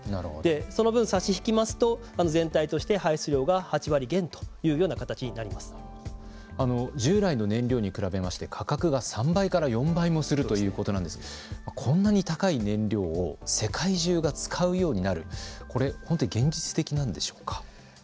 その分、差し引きますと全体として排出量が８割減従来の燃料に比べまして価格が３倍から４倍もするということなんですけれどもこんなに高い燃料を世界中が使うようになるこれ本当に現実的なんでしょうか。